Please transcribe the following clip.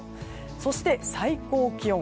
そして、最高気温。